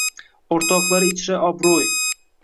Oʼrtoqlari ichra obroʼy.